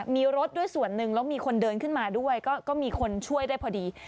มีรถด้วยส่วนหนึ่งแล้วมีคนเดินขึ้นมาด้วยก็มีคนช่วยได้พอดี